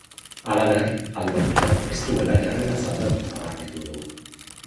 Halaber, alderdiak ez duela jarreraz aldatu nabarmendu du.